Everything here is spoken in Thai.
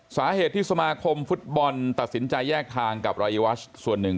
สาเหตุที่สมาคมฟุตบอลตัดสินใจแยกทางกับรายวัชส่วนหนึ่ง